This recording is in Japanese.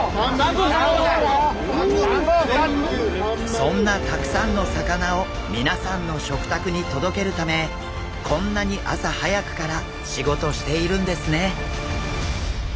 そんなたくさんの魚を皆さんの食卓に届けるためこんなに朝早くから仕事しているんですね。